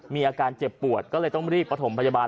มีอาการเจ็บปวดก็เลยต้องรีบประถมพยาบาล